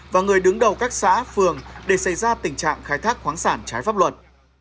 và người đứng đầu các xã phường để xây ra tình trạng khai thác khoáng sản trái pháp luật